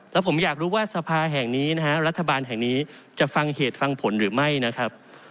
แล้วผมอยากรู้ว่าสภาแห่งนี้นะฮะรัฐบาลแห่งนี้จะฟังเหตุฟังผลหรือไม่นะครับ